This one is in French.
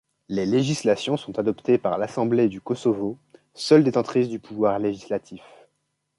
Les législations sont adoptées par l'Assemblée du Kosovo, seule détentrice du pouvoir législatif.